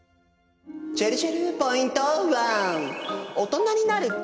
ちぇるちぇるポイント１。